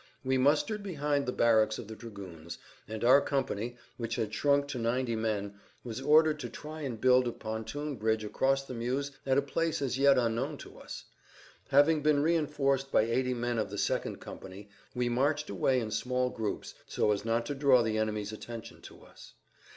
We mustered behind the barracks of the dragoons, and our company, which had shrunk to ninety men, was ordered to try and build a pontoon bridge across the Meuse at a place as yet unknown to us. Having been reinforced by eighty men of the second company we marched away in small groups so as not to draw the enemy's attention to us.